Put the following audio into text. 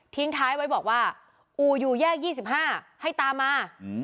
ทิ้งท้ายไว้บอกว่าอูยูแยก๒๕ให้ตามมา